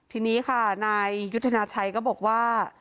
ทีนี้ค่ะนายยุทธนาชัยก็บอกว่า